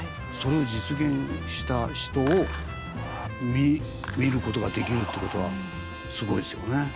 それを実現した人を見る事ができるって事はすごいですよね。